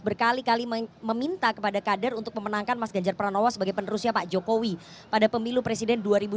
berkali kali meminta kepada kader untuk memenangkan mas ganjar pranowo sebagai penerusnya pak jokowi pada pemilu presiden dua ribu dua puluh